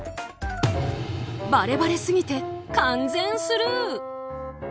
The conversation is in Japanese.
バレバレすぎて完全スルー。